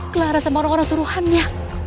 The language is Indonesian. kelara sama orang orang suruhannya